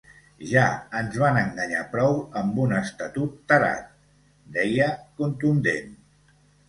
Ja ens van enganyar prou amb un estatut tarat, deia, contundent.